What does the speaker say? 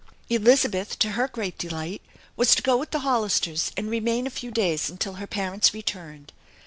Elizabeth, to her great delight, was to go with the Hoi listers and remain a few days until her parents returned.